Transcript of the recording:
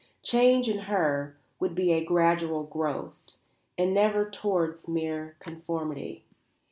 Change in her would be a gradual growth, and never towards mere conformity.